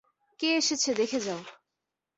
কে এসেছে দেখে যাও।